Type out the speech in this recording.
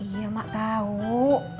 iya mak tau